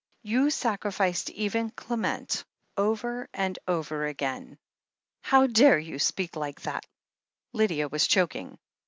You sacrificed even Clem ent, over and over again." "How dare you speak like that?" Lydia was chok ing.